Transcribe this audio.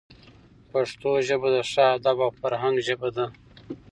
پښتو ژبه د ښه ادب او فرهنګ ژبه ده.